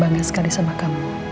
bangga sekali sama kamu